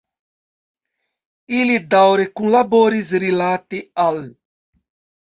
Ili daŭre kunlaboris rilate al.